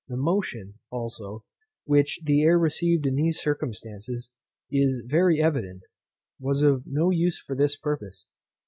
The motion, also, which the air received in these circumstances, it is very evident, was of no use for this purpose.